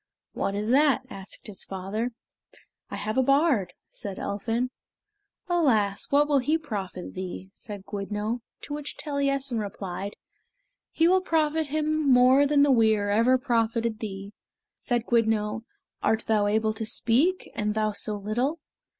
"What is that?" asked the father. "I have a bard," said Elphin. "Alas, what will he profit thee?" said Gwyddno, to which Taliessin replied, "He will profit him more than the weir ever profited thee." Said Gwyddno, "Art thou able to speak, and thou so little?"